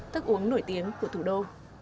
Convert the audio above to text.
thức uống nổi tiếng của thủ đô